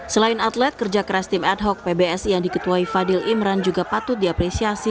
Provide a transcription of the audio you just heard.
selain atlet kerja keras tim ad hoc pbsi yang diketuai fadil imran juga patut diapresiasi